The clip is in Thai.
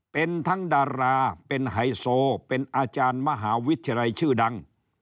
เป็นทั้งดาราเป็นไฮโซเป็นอาจารย์มหาวิทยาลัยชื่อดัง